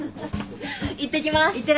いってきます。